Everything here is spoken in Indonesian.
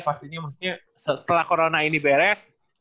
pastinya maksudnya setelah corona ini beres